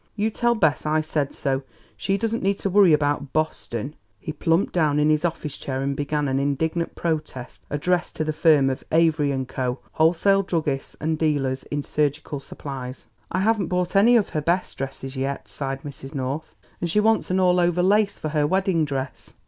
"You tell Bess I said so. She doesn't need to worry about Boston!" He plumped down in his office chair and began an indignant protest addressed to the firm of Avery & Co., Wholesale Druggists and Dealers in Surgical Supplies. "I haven't bought any of her best dresses yet," sighed Mrs. North; "and she wants an all over lace for her wedding dress.